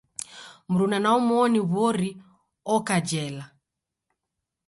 Mruna na omoni w'ori oka jela.